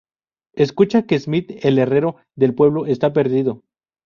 Escucha que Smith, el herrero del pueblo, está perdido.